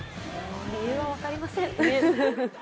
理由は分かりません。